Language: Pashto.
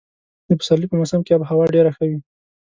د پسرلي په موسم کې اب هوا ډېره ښه وي.